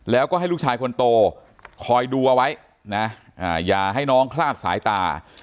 แล้วก็ให้ลูกชายคนโตคอยดูเอาไว้นะอย่าให้น้องคลาดสายตา